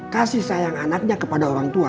kasih sayang anaknya kepada orang tua